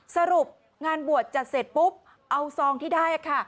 สรุปงานบวชจัดเสร็จปุ๊บเอาซองที่ได้ค่ะ